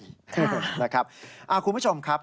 ใช่ครับนะครับคุณผู้ชมครับ